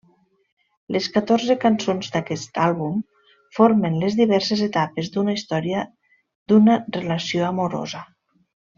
Les catorze cançons d'aquest àlbum formen les diverses etapes d'una història d'una relació amorosa.